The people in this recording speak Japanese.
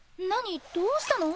どうしたの？